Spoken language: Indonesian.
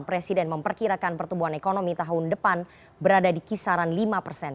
presiden memperkirakan pertumbuhan ekonomi tahun depan berada di kisaran lima persen